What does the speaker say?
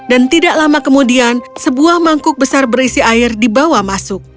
dan tidak lama kemudian sebuah mangkuk besar berisi air dibawa masuk